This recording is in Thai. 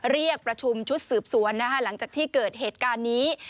เรียกประชุมชุดสืบสวนนะคะหลังจากที่เกิดเหตุการณ์นี้